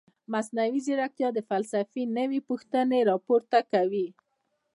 مصنوعي ځیرکتیا د فلسفې نوې پوښتنې راپورته کوي.